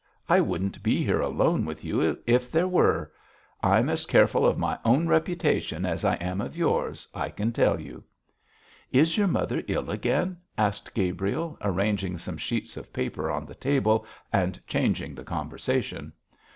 I wouldn't be here alone with you if there were. I'm as careful of my own reputation as I am of yours, I can tell you.' 'Is your mother ill again?' asked Gabriel, arranging some sheets of paper on the table and changing the conversation.